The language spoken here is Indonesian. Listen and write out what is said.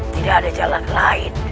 tidak ada jalan lain